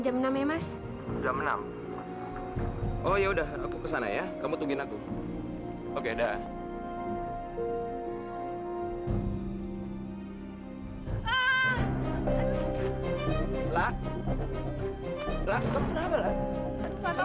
jam enam ya mas jam enam oh ya udah aku kesana ya kamu tungguin aku oke dah ah lah lah